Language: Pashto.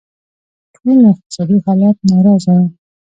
ټول له اقتصادي حالت ناراضه وو.